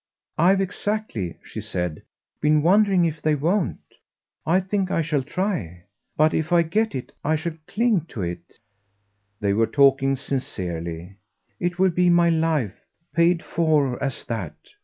"I've exactly," she said, "been wondering if they won't. I think I shall try. But if I get it I shall cling to it." They were talking sincerely. "It will be my life paid for as that.